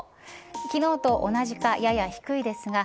昨日と同じかやや低いですが